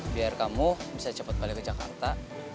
biar kamu bisa cepat balik ke jakarta